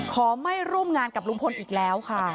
ขอไม่ร่วมงานกับลุงพลอีกแล้วค่ะ